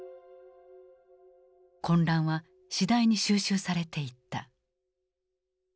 混乱は次第に収拾されていった。